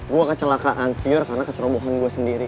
gue kecelakaan pur karena kecerobohan gue sendiri